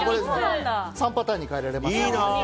３パターンに変えられます。